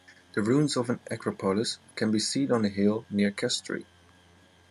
The ruins of an acropolis can be seen on a hill near Kastri.